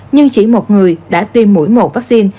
nhưng chỉ một người đã tiêm mũi một vắc xin